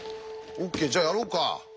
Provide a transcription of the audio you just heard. ＯＫじゃあやろうか。